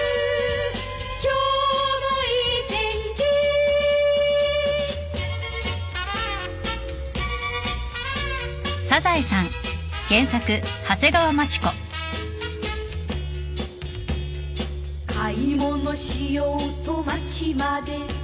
「今日もいい天気」「買い物しようと街まで」